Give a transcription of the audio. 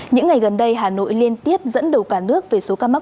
những ngày gần đây hà nội liên tiếp dẫn đầu cả nước về số ca mắc